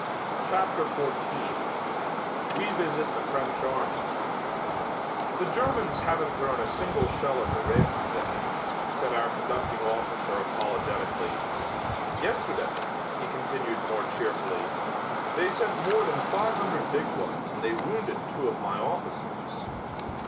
CHAPTER XIV WE VISIT THE FRENCH ARMY "The Germans haven't thrown a single shell into Rheims today," said our conducting officer apologetically. "Yesterday," he continued more cheerfully, "they sent more than five hundred big ones and they wounded two of my officers."